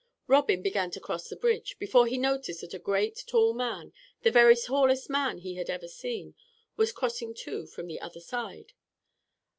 Robin began to cross the bridge, before he noticed that a great, tall man, the very tallest man he had ever seen, was crossing too from the other side.